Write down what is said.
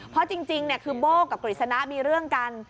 เพราะจริงคือโบ้กับกฤษณะมีเรื่องกัน